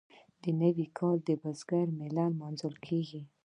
نوی کال د بزګر په میله لمانځل کیږي.